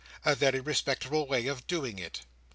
a very respectable way of doing It.